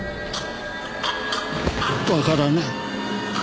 わからない。